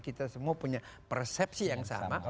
kita semua punya persepsi yang sama